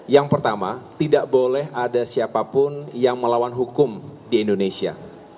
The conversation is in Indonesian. yang pertama tidak boleh ada siapapun yang melawan hukum di indonesia